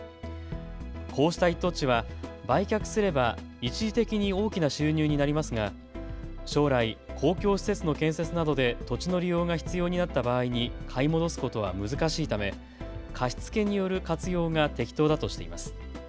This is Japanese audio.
こうした一等地は売却すれば一時的に大きな収入になりますが将来、公共施設の建設などで土地の利用が必要になった場合に買い戻すことは難しいため貸し付けによる活用が適当だとしています。